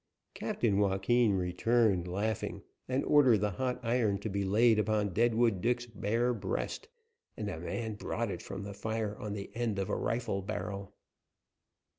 Captain Joaquin returned laughing, and ordered the hot iron to be laid upon Deadwood Dick's bare breast, and a man brought it from the fire on the end of a rifle barrel.